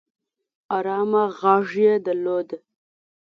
ارامه غږ يې درلود